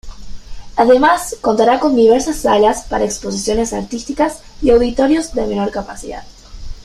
Además, contará con diversas salas para exposiciones artísticas y auditorios de menor capacidad.